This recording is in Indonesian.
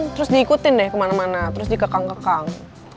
terus diikutin deh kemana mana terus dikekang kekang